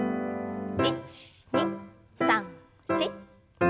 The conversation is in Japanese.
１２３４。